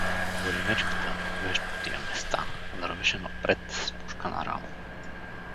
Боримечката, вещ по тия места, вървеше напред, с пушка на рамо.